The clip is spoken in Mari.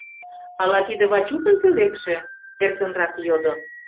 — Ала тиде Вачукын пӧлекше? — эркынрак йодо.